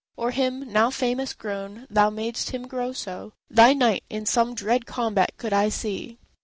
Or him, now famous grown—thou mad'st him grow so— Thy knight, in some dread combat could I see!